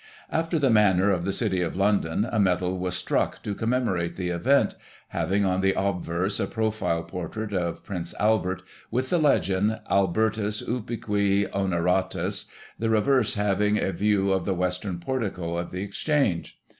After the manner of the City of London, a medal was struck to commemorate the event, having on the obverse a profile portrait of Prince Albert, with the legend "Albertus ubique honoratus," the reverse having a view of the western portico of the Exchange.